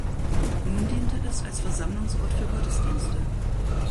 Nun diente es als Versammlungsort für Gottesdienste.